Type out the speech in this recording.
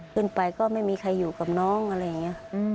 ขึ้นไปก็ไม่มีใครอยู่กับน้องอะไรอย่างนี้